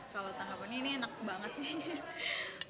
kalau tanggapannya ini enak banget sih